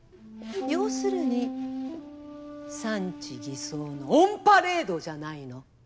要するに産地偽装のオンパレードじゃないの！